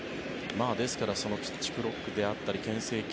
ですからピッチクロックであったりけん制球